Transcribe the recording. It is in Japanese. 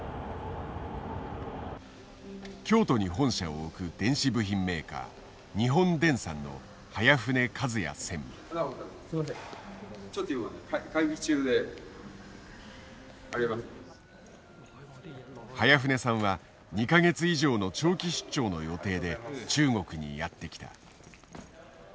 京都に本社を置く電子部品メーカー早舩さんは２か月以上の長期出張の予定で中国にやって来た。